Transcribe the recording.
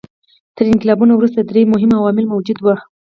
تر انقلابونو وروسته درې مهم عوامل موجود وو.